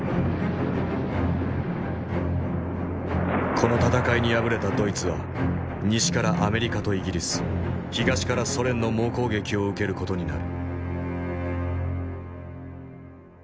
この戦いに敗れたドイツは西からアメリカとイギリス東からソ連の猛攻撃を受ける事になる。